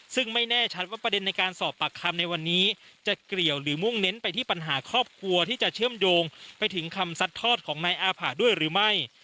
ซึ่งไม่แน่ชัดว่าประเด็นในการสอบปากคำในวันนี้จะเกลี่ยวหรือมุ่งเน้นไปที่ปัญหาครอบครัวที่จะเชื่อมโยงไปถึงคำซัดทอดของนายอาผะด้วยหรือไม่